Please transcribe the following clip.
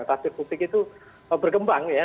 tastir publik itu bergembang ya